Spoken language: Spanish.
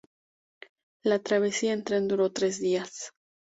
La travesía en tren duró tres días.